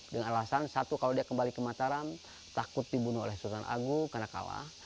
dengan alasan satu kalau dia kembali ke mataram takut dibunuh oleh sultan agung karena kalah